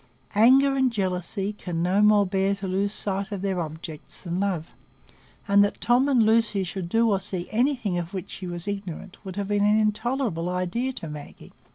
Anger and jealousy can no more bear to lose sight of their objects than love, and that Tom and Lucy should do or see anything of which she was ignorant would have been an intolerable idea to Maggie.